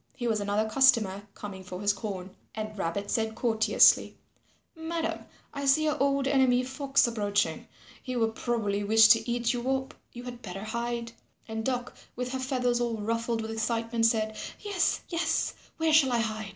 He was another customer coming for his corn. And Rabbit said courteously, "Madam, I see your old enemy Fox approaching. He will probably wish to eat you up; you had better hide." And Duck with her feathers all ruffled with excitement said, "Yes, yes, where shall I hide?"